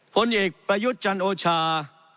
ผลเอกประยุทธ์จันโอชา